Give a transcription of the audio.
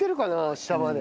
下まで。